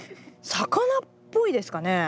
魚っぽいですかね？